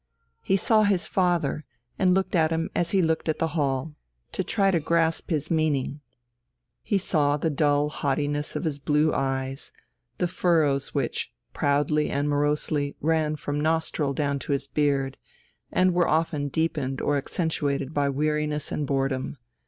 He saw his father, and looked at him as he looked at the hall, to try to grasp his meaning. He saw the dull haughtiness of his blue eyes, the furrows which, proudly and morosely, ran from nostril down to his beard, and were often deepened or accentuated by weariness and boredom....